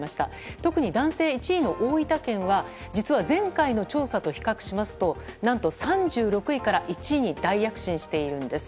特に男性１位の大分県は前回の調査と比較しますと何と、３６位から１位に大躍進しているんです。